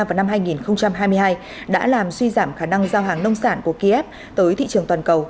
vào năm hai nghìn hai mươi hai đã làm suy giảm khả năng giao hàng nông sản của kiev tới thị trường toàn cầu